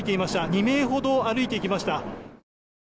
２名ほど歩いていきました。